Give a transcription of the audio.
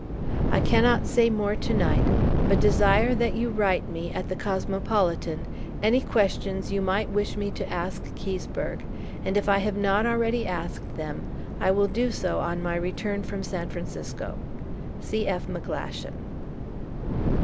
I cannot say more to night, but desire that you write me (at the Cosmopolitan) any questions you might wish me to ask Keseberg, and if I have not already asked them, I will do so on my return from San Francisco. C.F. MCGLASHAN.